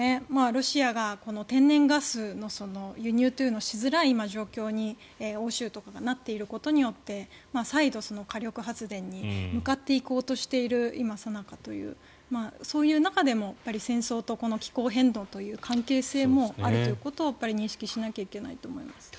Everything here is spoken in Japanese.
ロシアの天然ガスの輸入というのをしづらい状況に欧州とかがなっていることによって再度、火力発電に向かっていこうとしているさなかということでそういう中でも戦争と気候変動という関係性もあるということを認識しなきゃいけないと思います。